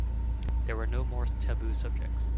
There were no more taboo subjects.